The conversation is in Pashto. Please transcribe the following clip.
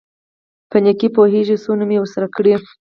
په نېکۍ پوېېږي څونه مې ورسره کړي.